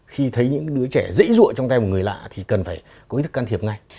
khi thấy những đứa trẻ dễ dụa trong tay một người lạ thì cần phải có ý thức can thiệp ngay